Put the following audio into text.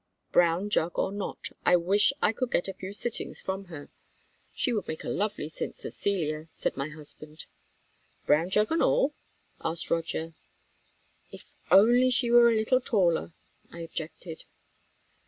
"Brown jug or not, I wish I could get a few sittings from her. She would make a lovely St. Cecilia," said my husband. "Brown jug and all?" asked Roger. "If only she were a little taller," I objected.